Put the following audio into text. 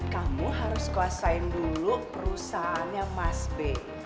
kamu harus kuasain dulu perusahaannya mas b